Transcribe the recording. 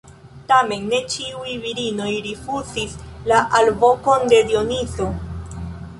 Tamen, ne ĉiuj virinoj rifuzis la alvokon de Dionizo.